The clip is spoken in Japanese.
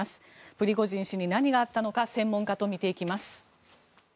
プリゴジン氏に何があったのか専門家と見ていきます。